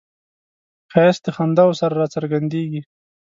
ښایست د خنداوو سره راڅرګندیږي